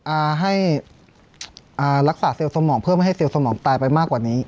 อ่าให้อ่ารักษาเซลล์สมองเพื่อไม่ให้เซลล์สมองตายไปมากกว่านี้